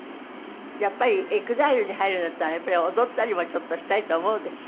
やっぱりＥＸＩＬＥに入るんだったら踊ったりもちょっとしたいと思うでしょ？